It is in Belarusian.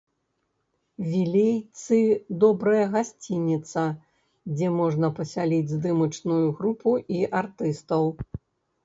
Вілейцы добрая гасцініца, дзе можна пасяліць здымачную групу і артыстаў.